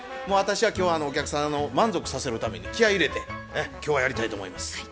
もう私は今日はお客さん満足させるために気合い入れて今日はやりたいと思います。